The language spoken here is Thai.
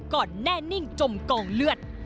แน่นิ่งจมกองเลือด